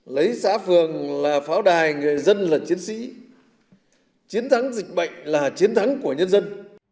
lấy xã phường là pháo đài người dân là chiến sĩ chiến thắng dịch bệnh là chiến thắng của nhân dân